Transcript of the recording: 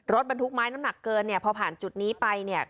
รถบรรทุกไม้น้ำหนักเกินเนี่ยพอผ่านจุดนี้ไปเนี่ย